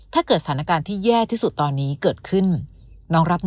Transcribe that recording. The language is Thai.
ถ้าเกิดสถานการณ์ที่แย่ที่สุดตอนนี้เกิดขึ้น